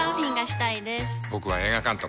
僕は映画監督。